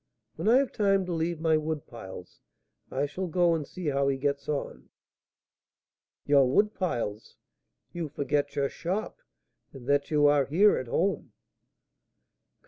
When I have time to leave my wood piles, I shall go and see how he gets on." "Your wood piles! You forget your shop, and that you are here at home!" "Come, M.